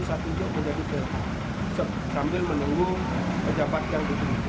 sambil menunggu pejabatkan